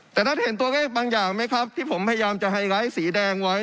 แต่ท่านเห็นตัวเลขบางอย่างไหมครับที่ผมพยายามจะไฮไลท์สีแดงไว้